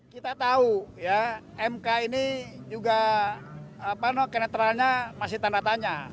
kita tahu ya mk ini juga kenetralnya masih tanda tanya